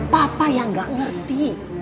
papa yang gak ngerti